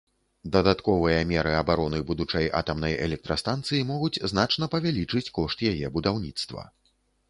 Дадатковыя меры абароны будучай атамнай электрастанцыі могуць значна павялічыць кошт яе будаўніцтва.